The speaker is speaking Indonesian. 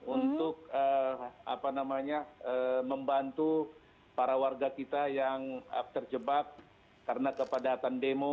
untuk membantu para warga kita yang terjebak karena kepadatan demo